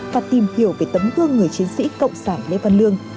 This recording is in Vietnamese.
và tìm hiểu về tấm gương người chiến sĩ cộng sản lê văn lương